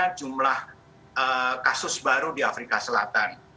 ada jumlah kasus baru di afrika selatan